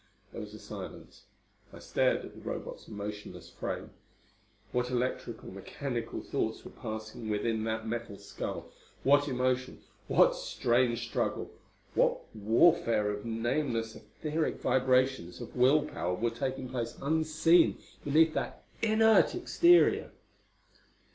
There was a silence. I stared at the Robot's motionless frame. What electrical, mechanical thoughts were passing within that metal skull! What emotions, what strange struggle, what warfare of nameless etheric vibrations of will power were taking place unseen beneath that inert exterior!